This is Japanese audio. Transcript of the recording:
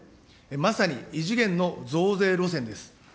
まさに異次元の増税路線です。